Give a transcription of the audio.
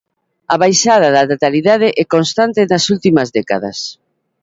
A baixada na natalidade é constante nas últimas décadas.